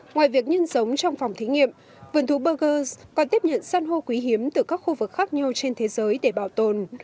ngoài việc nhân giống trong phòng thí nghiệm vườn thú burgers còn tiếp nhận săn hô quý hiếm từ các khu vực khác nhau trên thế giới để bảo tồn